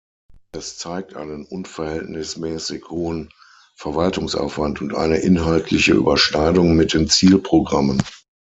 Das zeigt einen unverhältnismäßig hohen Verwaltungsaufwand und eine inhaltliche Überschneidung mit den Zielprogrammen.